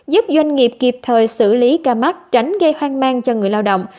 giúp doanh nghiệp kịp thời xử lý ca mắc tránh gây hoang mang cho người lao động